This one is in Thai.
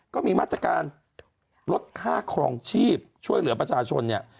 ก็มีมาตรการลดค่าครองชีพช่วยเหลือประชาชนเนี่ย